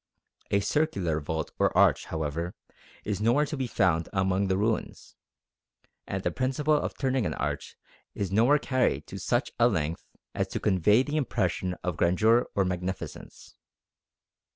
A circular vault or arch, however, is nowhere to be found among the ruins; and the principle of turning an arch is nowhere carried to such a length as to convey the impression of grandeur or magnificence."